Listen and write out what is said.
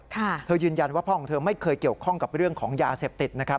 เธอยืนยันว่าพ่อของเธอไม่เคยเกี่ยวข้องกับเรื่องของยาเสพติดนะครับ